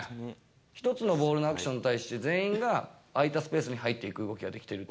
１つのボールのアクションに対して、全員が空いたスペースに入っていく動きができていると。